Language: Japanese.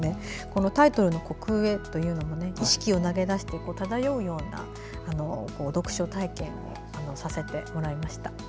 タイトルの「虚空へ」というのも意識を投げ出して漂うような読書体験をさせてもらいました。